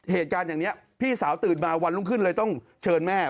เหตุการณ์อย่างนี้พี่สาวตื่นมาวันรุ่งขึ้นเลยต้องเชิญแม่